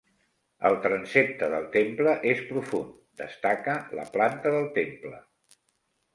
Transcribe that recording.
El transsepte del temple és profund, destaca la planta del temple.